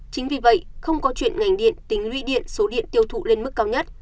chính vì vậy không có chuyện ngành điện tính lũy điện số điện tiêu thụ lên mức cao nhất